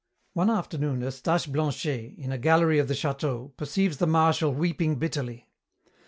One afternoon Eustache Blanchet, in a gallery of the château, perceives the Marshal weeping bitterly.